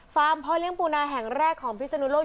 ฟาร์มเพาะเลี้ยงปูนาแห่งแรกของพิศนุโลกัน